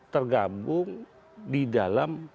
tergabung di dalam